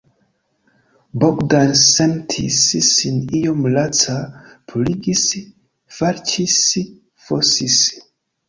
Bogdan sentis sin iom laca; purigis, falĉis, fosis.